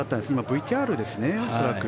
ＶＴＲでしたね、恐らく。